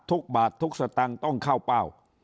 ทุกบาททุกสตางค์ต้องเข้าเป้า